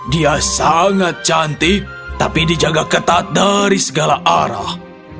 dia sangat cantik tapi dijaga ketat dari segala arah